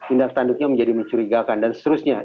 indah standutnya menjadi mencurigakan dan seterusnya